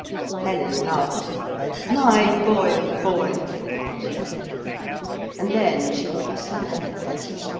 Helen laughed. 'My boy of boys!' she said. And then she looked sad.